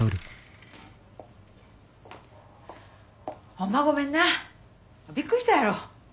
ホンマごめんなびっくりしたやろ。